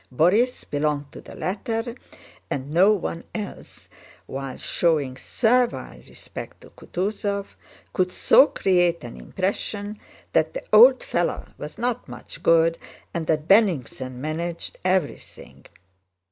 Borís belonged to the latter and no one else, while showing servile respect to Kutúzov, could so create an impression that the old fellow was not much good and that Bennigsen managed everything.